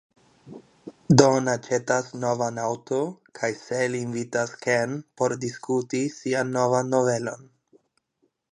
Don aĉetas novan aŭton kaj Sel invitas Ken por diskuti sian novan novelon.